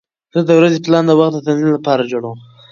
زه د ورځې پلان د وخت د تنظیم لپاره جوړوم.